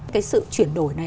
cái sự chuyển đổi này